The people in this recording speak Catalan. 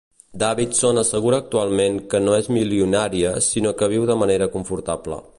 Davidson assegura actualment que no és milionària sinó que viu de manera confortable.